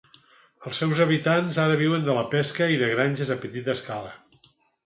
Els seus habitants ara viuen de la pesca i de granges a petita escala.